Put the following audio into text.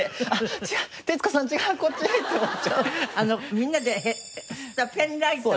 みんなでペンライトを。